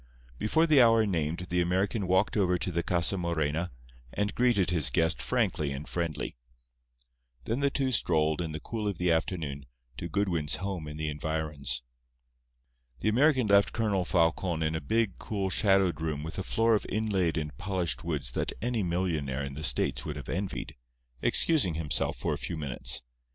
Before the hour named the American walked over to the Casa Morena, and greeted his guest frankly and friendly. Then the two strolled, in the cool of the afternoon, to Goodwin's home in the environs. The American left Colonel Falcon in a big, cool, shadowed room with a floor of inlaid and polished woods that any millionaire in the States would have envied, excusing himself for a few minutes.